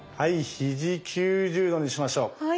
ひじ９０度にしましょう。